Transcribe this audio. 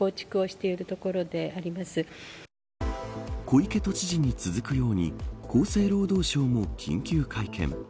小池都知事に続くように厚生労働省も緊急会見。